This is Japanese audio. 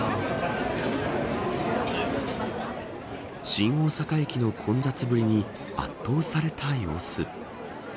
新大阪駅の混雑ぶりに圧倒された様子。